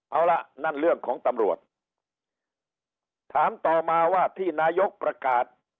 เอาล่ะนั่นเรื่องของตำรวจถามต่อมาว่าที่นายกประกาศ